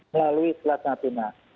melalui selatan atina